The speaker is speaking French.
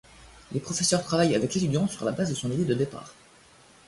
Les professeurs travaillent avec l’étudiant sur la base de son idée de départ.